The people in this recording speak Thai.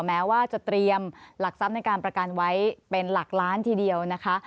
แม้ว่าจะเตรียมหลักทรัพย์ในการประกันไว้เป็นหลักล้านทีเดียวนะคะ